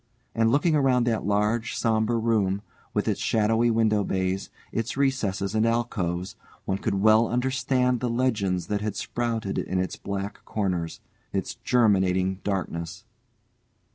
And looking around that large sombre room, with its shadowy window bays, its recesses and alcoves, one could well understand the legends that had sprouted in its black corners, its germinating darkness.